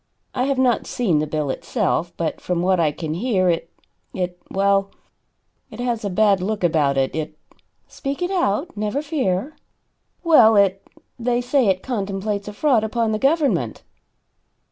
I have not seen the bill itself, but from what I can hear, it it well, it has a bad look about it. It " "Speak it out never fear." "Well, it they say it contemplates a fraud upon the government."